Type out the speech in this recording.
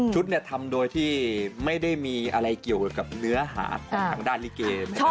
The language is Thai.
ชุดเนี่ยทำโดยที่ไม่ได้มีอะไรเกี่ยวกับเนื้อหาดของทางด้านลิเกย์